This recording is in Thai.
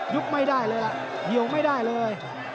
เยี่ยมไม่ได้เลย